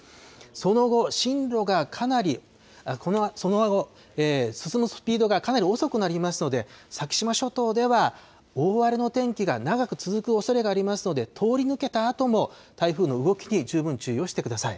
その後、進路がかなりその後、進むスピードがかなり遅くなりますので、先島諸島では、大荒れの天気が長く続くおそれがありますので、通り抜けたあとも、台風の動きに十分注意をしてください。